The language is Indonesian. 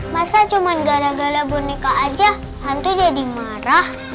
masa cuma gara gara bonika aja hantu jadi marah